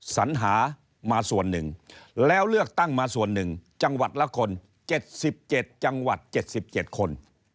สัญหามาส่วนหนึ่งแล้วเลือกตั้งมาส่วนหนึ่งจังหวัดละคน๗๗จังหวัด๗๗คน